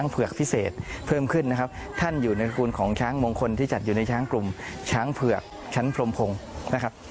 เผือกพิเศษเพิ่มขึ้นนะครับท่านอยู่ในตระกูลของช้างมงคลที่จัดอยู่ในช้างกลุ่มช้างเผือกชั้นพรมพงศ์นะครับ